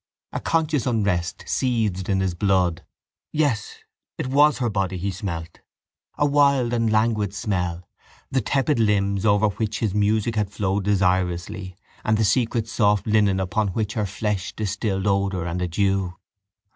A conscious unrest seethed in his blood. Yes, it was her body he smelt, a wild and languid smell, the tepid limbs over which his music had flowed desirously and the secret soft linen upon which her flesh distilled odour and a dew.